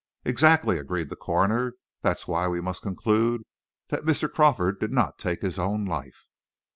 "Exactly," agreed the coroner. "That's why we must conclude that Mr. Crawford did not take his own life."